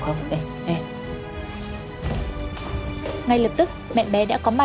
hay là chú cho luôn cái